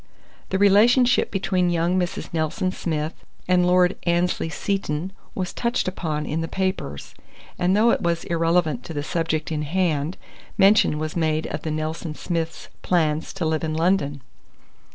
The relationship between young Mrs. Nelson Smith and Lord Annesley Seton was touched upon in the papers; and though it was irrelevant to the subject in hand, mention was made of the Nelson Smiths' plan to live in London.